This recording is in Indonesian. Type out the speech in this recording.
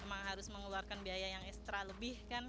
emang harus mengeluarkan biaya yang ekstra lebih kan